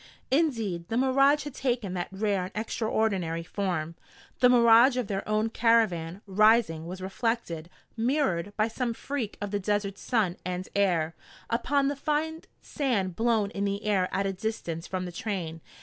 Indeed, the mirage had taken that rare and extraordinary form. The mirage of their own caravan, rising, was reflected, mirrored, by some freak of the desert sun and air, upon the fine sand blown in the air at a distance from the train.